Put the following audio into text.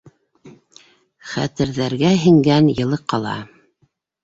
Хәтерҙәргә һеңгән йылы ҡала.